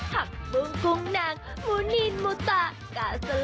หักบุ้งกุ้งนางมูนินมูตะกะสะลิง